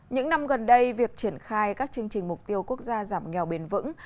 những năm gần đây việc triển khai các chương trình mục tiêu quốc gia giảm nghèo bền vững